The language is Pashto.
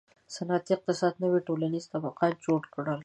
• صنعتي اقتصاد نوي ټولنیز طبقات جوړ کړل.